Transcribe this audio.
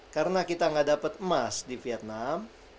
karena kita gak dapet emas di vietnam